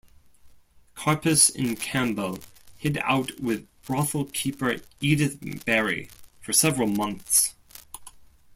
Karpis and Campbell hid out with brothel-keeper Edith Barry for several months.